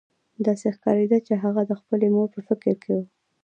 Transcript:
داسې ښکارېده چې هغه د خپلې مور په فکر کې و